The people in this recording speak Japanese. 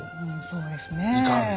そうですねええ。